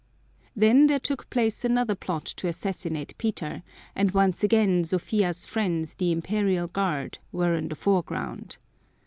Then there took place another plot to assassinate Peter, and once again Sophia's friends, the Imperial Guard, were in the foreground.